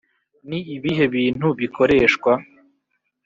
ni ibihe bintu bikoreshwa?